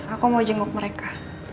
aku mau jenguk mereka